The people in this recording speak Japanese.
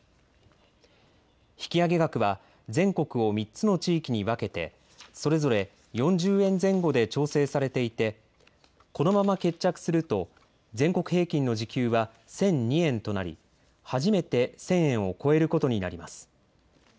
引き上げ額は全国を３つの地域に分けて、それぞれ４０円前後で調整されていてこのまま決着すると全国平均の時給は１００２円となり初めて１０００円を超えることになります。